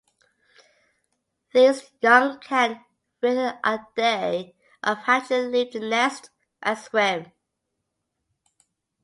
These young can, within a day of hatching, leave the nest and swim.